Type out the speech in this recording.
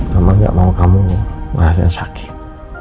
mama gak mau kamu merasakan sakit